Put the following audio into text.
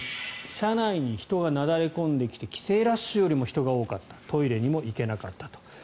車内に人がなだれ込んできて帰省ラッシュよりも人が多かったトイレにも行けなかったと。